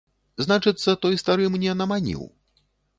Значыцца, той стары мне наманіў.